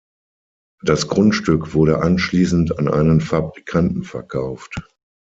Das Grundstück wurde anschließend an einen Fabrikanten verkauft.